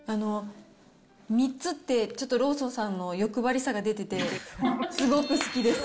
３つって、ちょっとローソンさんの欲張りさが出てて、すごく好きです。